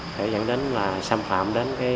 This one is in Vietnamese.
thể dẫn đến xâm phạm